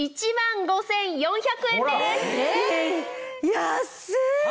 安い！